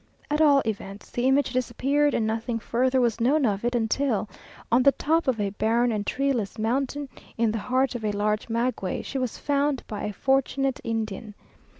At all events, the image disappeared, and nothing further was known of it until, on the top of a barren and treeless mountain, in the heart of a large maguey, she was found by a fortunate Indian.